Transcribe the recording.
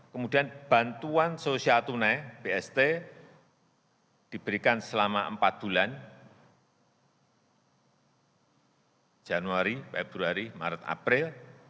kemudian bantuan sosial tunai bst diberikan selama empat bulan januari februari maret april